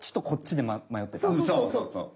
そうそうそう！